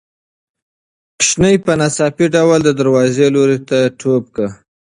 ماشوم په ناڅاپي ډول د دروازې لوري ته ټوپ کړ.